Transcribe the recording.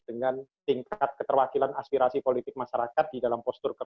dengan tingkat keterwakilan aspirasi politik masyarakat di dalam postur